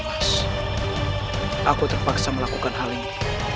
aku terpaksa melakukan hal ini